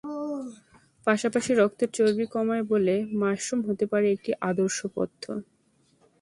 পাশাপাশি রক্তের চর্বি কমায় বলে মাশরুম হতে পারে একটি আদর্শ পথ্য।